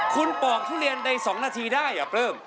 คุณปอกทุเรียนใน๒นาทีได้อ่ะปลื้ม